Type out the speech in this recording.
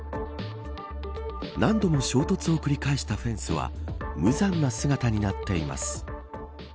何度も衝突を繰り返したフェンスは無残な姿になっています。